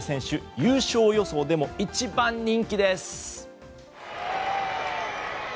優勝予想でも１番人気です！